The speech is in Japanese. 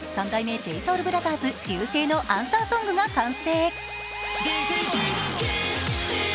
ＪＳＯＵＬＢＲＯＴＨＥＲＳ「Ｒ．Ｙ．Ｕ．Ｓ．Ｅ．Ｉ．」のアンサーソングが完成。